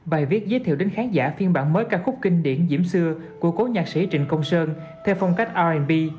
bài viết giới thiệu đến khán giả phiên bản mới ca khúc kinh điển diễm xưa của cố nhạc sĩ trịnh công sơn theo phong cách rnb